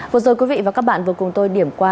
vừa rồi quý vị và các bạn vừa cùng tôi điểm qua